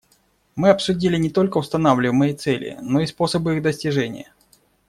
Мы обсудили не только устанавливаемые цели, но и способы их достижения.